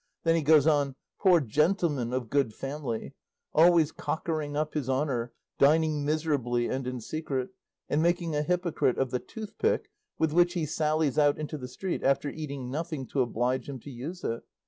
Then he goes on: "Poor gentleman of good family! always cockering up his honour, dining miserably and in secret, and making a hypocrite of the toothpick with which he sallies out into the street after eating nothing to oblige him to use it!